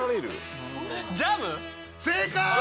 正解！